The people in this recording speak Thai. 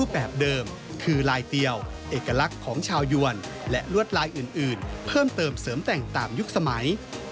เพิ่มเติมเสริมแต่งตามยุคสมัย